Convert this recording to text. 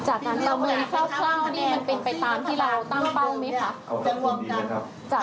จากนั้นประเมินคร่าวเนี่ยมันเป็นไปตามที่เราตั้งเป้าไหมคะ